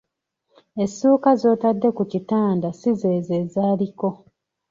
Essuuka z'otadde ku kitande si zezo ezaaliko.